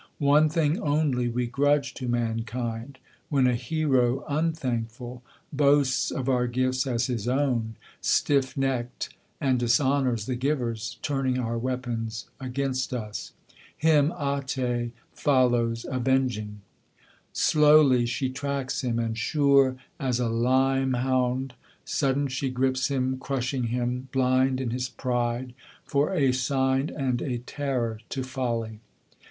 One thing only we grudge to mankind: when a hero, unthankful, Boasts of our gifts as his own, stiffnecked, and dishonours the givers, Turning our weapons against us. Him Ate follows avenging; Slowly she tracks him and sure, as a lyme hound; sudden she grips him, Crushing him, blind in his pride, for a sign and a terror to folly.